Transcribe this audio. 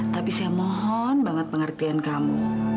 tapi saya mohon banget pengertian kamu